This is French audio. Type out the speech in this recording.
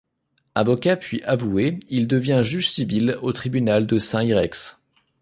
Avocat puis avoué, il devient juge civil au tribunal de Saint-Yrieix.